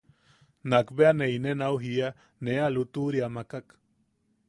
Nakbea ne inen au jiia, ne a lutuʼuria makak.